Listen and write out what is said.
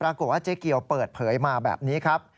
ปรากฏว่าเจ๊เกียวเปิดเผยมาแบบนี้ครับ